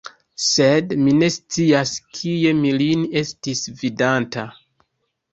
Sed mi ne scias, kie mi lin estis vidanta.